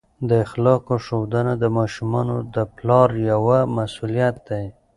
د اخلاقو ښودنه د ماشومانو د پلار یوه مسؤلیت دی.